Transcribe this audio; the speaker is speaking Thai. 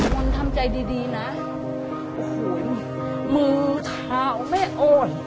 คนทำใจดีดีนะโอ้โหมือเท้าแม่อ่อน